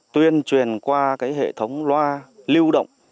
tuyên truyền qua hệ thống loa lưu động